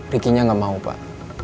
rikinya nggak mau pak